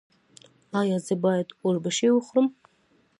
ایا زه باید اوربشې وخورم؟